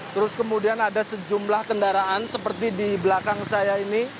terus kemudian ada sejumlah kendaraan seperti di belakang saya ini